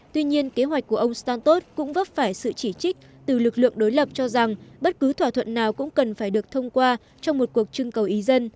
tuy nhiên kế hoạch của ông stantot cũng vấp phải sự chỉ trích từ lực lượng đối lập cho rằng bất cứ thỏa thuận nào cũng cần phải được thông qua trong một cuộc trưng cầu ý dân